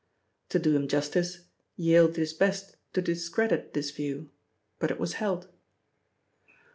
To do him justice, Yale did his best to discredit this view, but it was held.